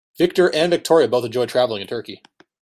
Victor and Victoria both enjoy traveling in Turkey.